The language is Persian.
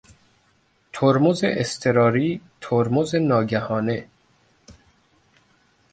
ترمز اضطراری، ترمز ناگهانه